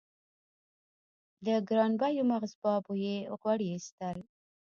له ګرانبیو مغزبابو یې غوړي اېستل.